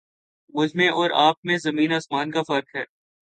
مجھ میں اور آپ میں زمیں آسمان کا فرق ہے